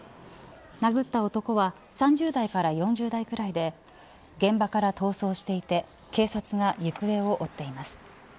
殴った男は３０代から４０代くらいで現場から逃走していて警察が行方を追っています。